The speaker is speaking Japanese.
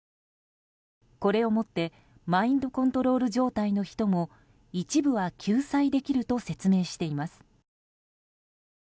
これをもってマインドコントロール状態の人も一部は救済できると説明しています。